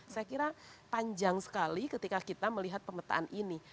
karena panjang sekali ketika kita melihat pemetaan ini